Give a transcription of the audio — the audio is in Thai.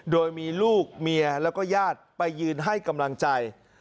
โดยมีลูกเมียแล้วก็ญาติไปยืนให้กำลังใจ